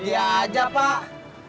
dia aja pak